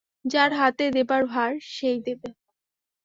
যার হাতে দেবার ভার সেই দেবে।